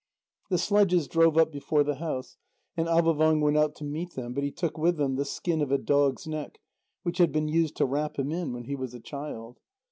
The sledges drove up before the house, and Avôvang went out to meet them, but he took with him the skin of a dog's neck, which had been used to wrap him in when he was a child.